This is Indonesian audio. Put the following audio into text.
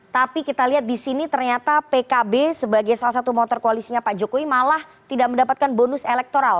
tapi kita lihat di sini ternyata pkb sebagai salah satu motor koalisinya pak jokowi malah tidak mendapatkan bonus elektoral